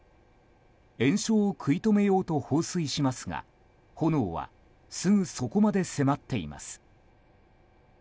延焼を食い止めようと放水しますが炎はすぐそこまで迫っています。